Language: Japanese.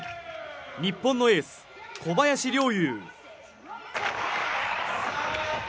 日本のエース・小林陵侑。